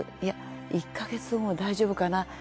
いや１か月後も大丈夫かな。